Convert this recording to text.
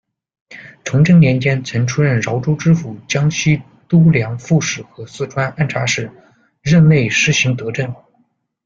崇祯年间曾出任饶州知府、江西督粮副使和四川按察使，任内施行德政。